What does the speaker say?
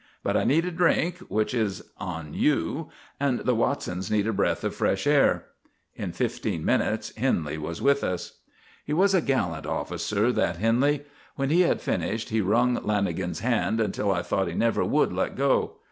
But I need a drink, which is on you, and the Watsons need a breath of fresh air." In fifteen minutes Henley was with us. He was a gallant officer, that Henley. When he had finished he wrung Lanagan's hand until I thought he never would let go.